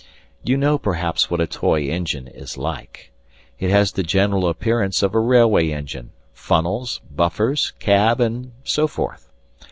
You know, perhaps, what a toy engine is like. It has the general appearance of a railway engine; funnels, buffers, cab, and so forth.